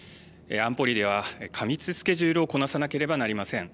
安保理では過密スケジュールをこなさなければなりません。